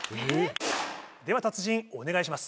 では達人お願いします。